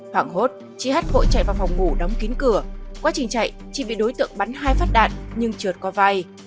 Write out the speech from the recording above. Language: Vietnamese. hoảng hốt chị h vội chạy vào phòng ngủ đóng kín cửa quá trình chạy chị bị đối tượng bắn hai phát đạn nhưng trượt qua vai